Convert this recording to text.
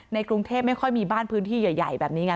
กรุงเทพไม่ค่อยมีบ้านพื้นที่ใหญ่แบบนี้ไง